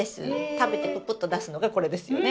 食べてププッと出すのがこれですよね。